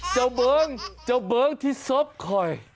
เจ้าเวิร์นที่สวบคอย